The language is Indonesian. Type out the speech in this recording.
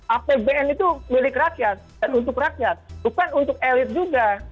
apbn itu milik rakyat dan untuk rakyat bukan untuk elit juga